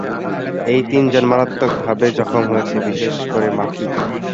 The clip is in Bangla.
এই তিনজন মারাত্মকভাবে জখম হয়েছে, বিশেষ করে মাকি।